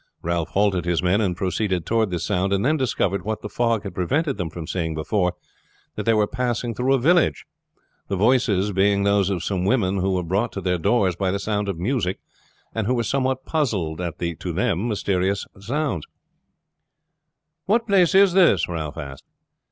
Ralph halted his men and proceeded toward this sound, and then discovered what the fog had prevented them from seeing before, that they were passing through a village, the voices being those of some women who were brought to their doors by the sound of music, and who were somewhat puzzled at the, to them, mysterious sounds. "What place is this?" Ralph asked.